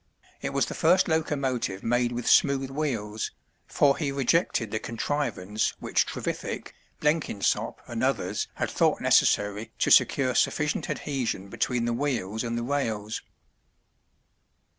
It was the first locomotive made with smooth wheels, for he rejected the contrivance which Trevithick, Blenkinsop and others had thought necessary to secure sufficient adhesion between the wheels and the rails.